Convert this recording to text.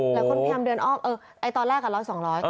แล้วคนพยายามเดินอ้อมตอนแรกก็ร้อยสองร้อย